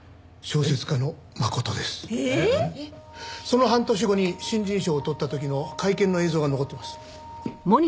その半年後に新人賞を取った時の会見の映像が残っています。